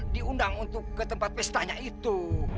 diundang untuk ke tempat pestanya itu